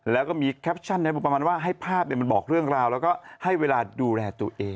แล้วก็มีแคปชั่นประมาณว่าให้ภาพมันบอกเรื่องราวแล้วก็ให้เวลาดูแลตัวเอง